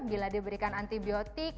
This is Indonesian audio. bila diberikan antibiotik